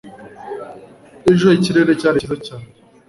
ejo, ikirere cyari cyiza cyane